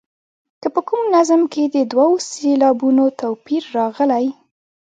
که په کوم نظم کې د دوو سېلابونو توپیر راغلی.